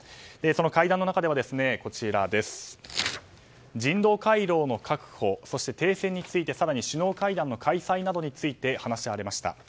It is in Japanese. その会談の中では人道回廊の確保そして停戦について、更に首脳会談の開催などについても話し合われました。